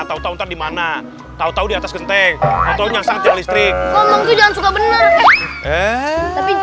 tahu tahu di mana tahu tahu di atas genteng atau nyangkut listrik jangan suka bener tapi